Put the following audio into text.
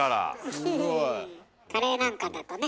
カレーなんかだとね